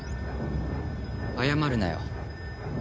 謝るなよ。